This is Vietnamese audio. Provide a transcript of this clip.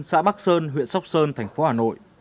xã bắc sơn huyện sóc sơn thành phố hà nội